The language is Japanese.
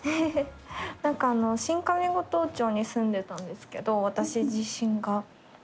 何かあの新上五島町に住んでたんですけど私自身が。